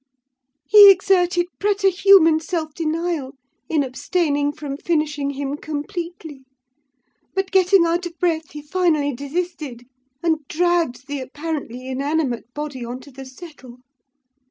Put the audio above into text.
He exerted preterhuman self denial in abstaining from finishing him completely; but getting out of breath, he finally desisted, and dragged the apparently inanimate body on to the settle.